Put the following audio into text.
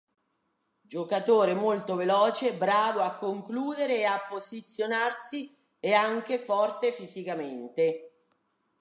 Giocatore molto veloce bravo a concludere e a posizionarsi, e anche forte fisicamente.